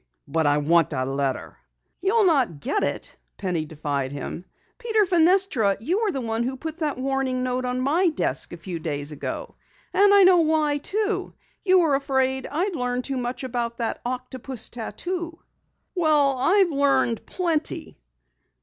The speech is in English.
But I want that letter." "You'll not get it," Penny defied him. "Peter Fenestra, you were the one who put that warning note on my desk a few days ago! And I know why, too! You were afraid I'd learn too much about the octopus tattoo. Well, I've learned plenty!"